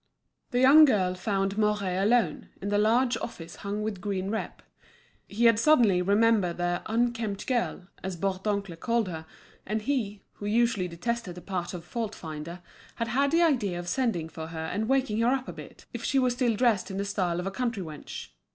The young girl found Mouret alone, in the large office hung with green repp. He had suddenly remembered the "unkempt girl," as Bourdoncle called her; and he, who usually detested the part of fault finder, had had the idea of sending for her and waking her up a bit, if she were still dressed in the style of a country wench.